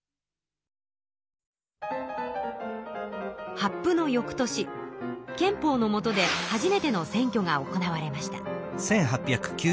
発布のよくとし憲法のもとで初めての選挙が行われました。